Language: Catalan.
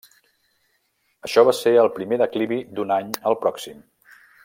Això va ser el primer declivi d'un any al pròxim.